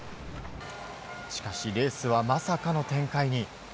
しかしレースはまさかの展開に。